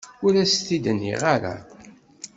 Ur as-t-id nniɣ ara.